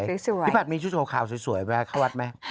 ภิษฐรรพ์มีชุดโฮคาวสวยอยู่ป่ะข้าววัดไหม